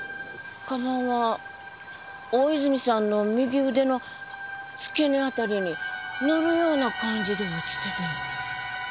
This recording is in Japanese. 鞄は大泉さんの右腕の付け根辺りに乗るような感じで落ちてて。